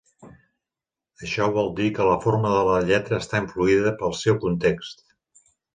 Això vol dir que la forma de la lletra està influïda pel seu context.